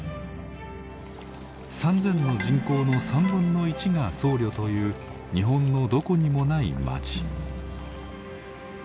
３，０００の人口の1/3が僧侶という日本のどこにもない町。